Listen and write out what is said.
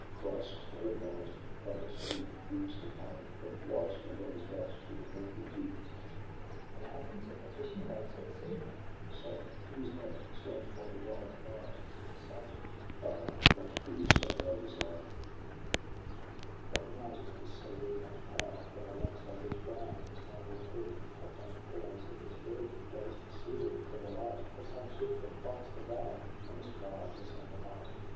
— Christ, what a night ! how the sleet whips the pane ! What lights will those out to the northward be.? The Page. The lanterns of the fishing boats at sea. Tristram. Soft — who is that, stands by the dying fire? The Page. Iseult. TRISTRAM AND ISEULT. 191 Trisiram. Ah ! not the Iseult I desire. What Knight is this so weak and pale, Though the locks are yet brown on his noble head, Propt on pillows in his bed, Gazing seaward for the light Of some ship that fights the gale On this wild December night?